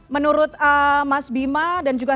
menurut mas bima dan juga